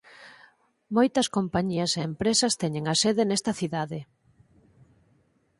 Moitas compañías e empresas teñen a sede nesta cidade.